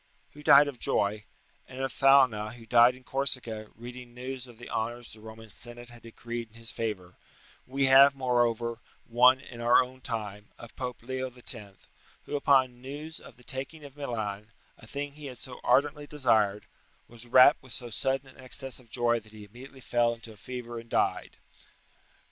] who died of joy; and of Thalna, who died in Corsica, reading news of the honours the Roman Senate had decreed in his favour, we have, moreover, one in our time, of Pope Leo X., who upon news of the taking of Milan, a thing he had so ardently desired, was rapt with so sudden an excess of joy that he immediately fell into a fever and died.